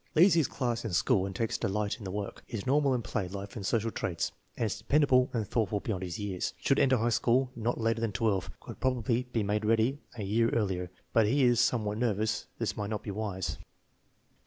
Leads his class in school and takes delight in the work. Is normal INTELLIGENCE QUOTIENT SIGNIFICANCE 99 in play life and social traits and is dependable and thoughtful be yond his years. Should enter high school not later than 12; could probably be made ready a year earlier, but as he is somewhat nervous this might not be wise.